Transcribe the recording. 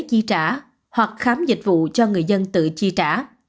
chi trả hoặc khám dịch vụ cho người dân tự chi trả